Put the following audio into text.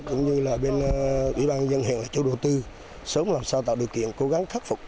cũng như là bên ủy ban dân huyện là chủ đầu tư sớm làm sao tạo điều kiện cố gắng khắc phục